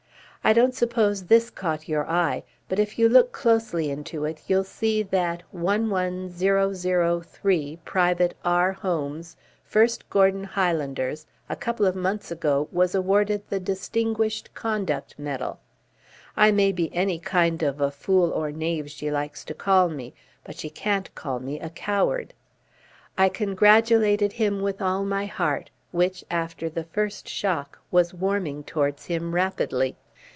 I don't suppose this caught your eye, but if you look closely into it, you'll see that 11003 Private R. Holmes, 1st Gordon Highlanders, a couple of months ago was awarded the Distinguished Conduct Medal. I may be any kind of a fool or knave she likes to call me, but she can't call me a coward." I congratulated him with all my heart, which, after the first shock, was warming towards him rapidly.